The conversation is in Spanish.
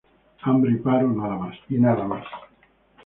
Hambre y paro y nada más.